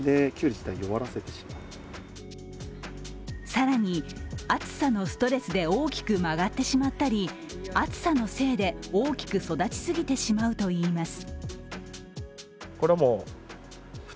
更に、暑さのストレスで大きく曲がってしまったり暑さのせいで、大きく育ちすぎてしまうといいます。